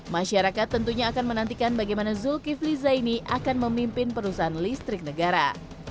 masyarakat tentunya akan menantikan bagaimana zulkifli zaini akan memimpin perusahaan listrik negara